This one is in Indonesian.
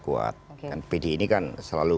kuat kan pdi ini kan selalu